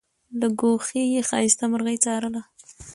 له ګوښې یې ښایسته مرغۍ څارله